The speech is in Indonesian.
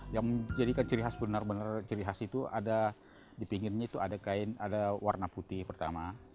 yang menjadikan ciri khas benar benar ciri khas itu ada di pinggirnya itu ada kain ada warna putih pertama